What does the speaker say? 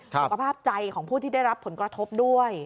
สุขภาพใจของผู้ที่ได้รับผลกระทบด้วย